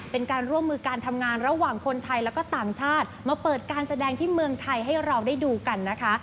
เป็นการร่วมมือการทำงานระหว่างคนไทยแล้วก็ต่างชาติมาเปิดการแสดงที่เมืองไทยให้เราได้ดูกันนะคะ